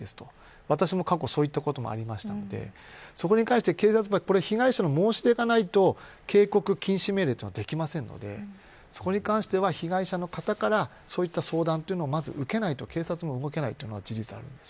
私も過去そういったこともありましたのでそこに関して、警察は被害者の申し出がないと警告、禁止命令ができませんのでそれに関しては、被害者の方からそういった相談を受けないと警察が動けないという事実があります。